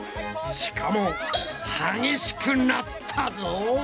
しかも激しくなったぞ！